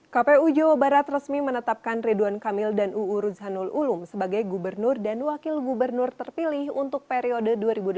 kpu jawa barat resmi menetapkan ridwan kamil dan uu ruzanul ulum sebagai gubernur dan wakil gubernur terpilih untuk periode dua ribu delapan belas dua ribu dua puluh